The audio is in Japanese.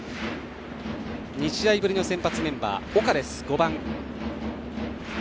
２試合ぶりの先発メンバー岡です、５番。